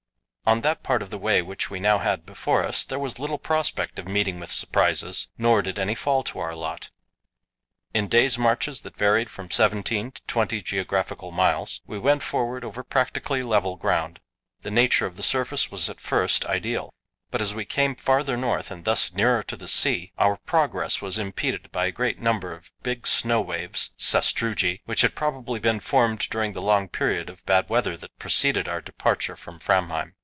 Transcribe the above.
On that part of the way which we now had before us there was little prospect of meeting with surprises; nor did any fall to our lot. In day's marches that varied from seventeen to twenty geographical miles, we went forward over practically level ground. The nature of the surface was at first ideal; but as we came farther north and thus nearer to the sea, our progress was impeded by a great number of big snow waves (sastrugi), which had probably been formed during the long period of bad weather that preceded our departure from Framheim.